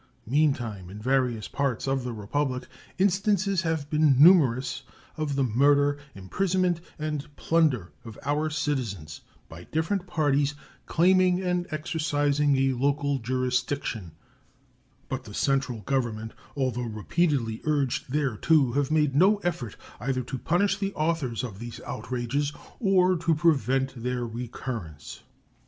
Meantime in various parts of the Republic instances have been numerous of the murder, imprisonment, and plunder of our citizens by different parties claiming and exercising a local jurisdiction; but the central Government, although repeatedly urged thereto, have made no effort either to punish the authors of these outrages or to prevent their recurrence.